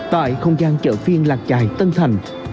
tại không gian trợ phiên làng trài tân thành